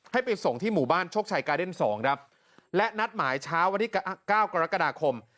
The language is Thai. ให้ไปส่งที่หมู่บ้านชกชัยการ์เดนส์๒และนัดหมายเช้าวันที่๙กรกฎาคม